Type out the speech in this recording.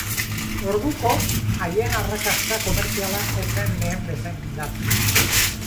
Orduko, haien arrakasta komertziala ez zen lehen bezain indartsua.